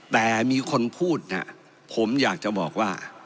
แต่มีคนพูดเนี่ยผมอยากจะบอกว่า